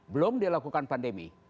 belum dilakukan pandemi